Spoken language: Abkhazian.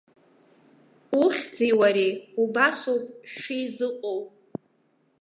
Ухьӡи уареи убасоуп шәшеизыҟоу.